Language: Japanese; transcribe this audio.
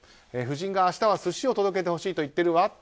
夫人が明日は寿司を届けてほしいと言っているわ。